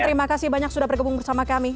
terima kasih banyak sudah bergabung bersama kami